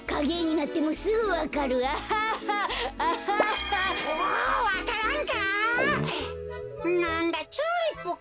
なんだチューリップか。